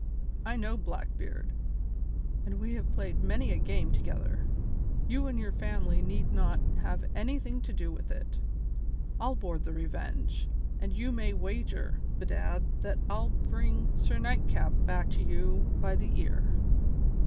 "I know Blackbeard, and we have played many a game together. You and your family need not have anything to do with it. I'll board the Revenge, and you may wager, bedad, that I'll bring Sir Nightcap back to you by the ear."